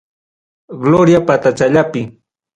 Gloria patachallapi.